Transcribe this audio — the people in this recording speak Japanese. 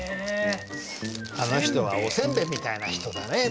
あの人はおせんべいみたいな人だね。